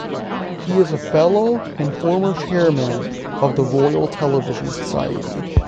He is a Fellow and Former Chairman of the Royal Television Society.